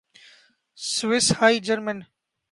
Swiss high German